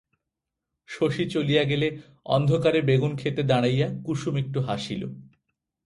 শশী চলিয়া গেলে অন্ধকারে বেগুনক্ষেতে দাড়াইয়া কুসুম একটু হাসিল।